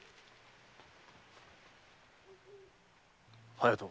隼人。